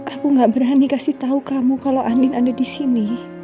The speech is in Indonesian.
aku gak berani kasih tahu kamu kalau andin ada di sini